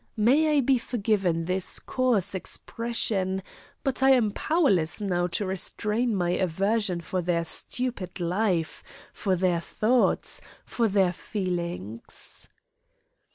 May I be forgiven this coarse expression, but I am powerless now to restrain my aversion for their stupid life, for their thoughts, for their feelings.